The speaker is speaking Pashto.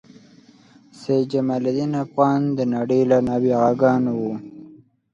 سید جمال الدین افغان د نړۍ له نابغه ګانو و.